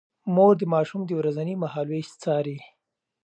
مور د ماشوم د ورځني مهالوېش څاري.